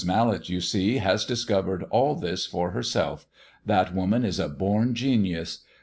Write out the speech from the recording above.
Mallet, you see, has discovered all this for herself that woman is a born genius.